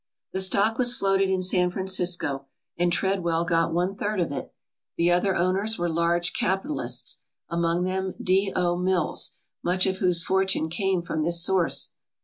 The stock was floated in San Francisco and Treadwell got one' third of it. The other owners were large capi talists, among them D. O. Mills, much of whose fortune came from this source.